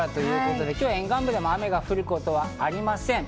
今日は沿岸部でも雨が降ることはありません。